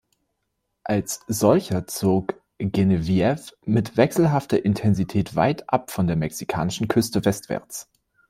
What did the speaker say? Als solcher zog Genevieve mit wechselhafter Intensität weitab von der mexikanischen Küste westwärts.